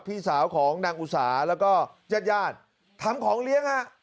พี่สาวของนางอุสาแล้วก็ญาติญาติทำของเลี้ยงฮะ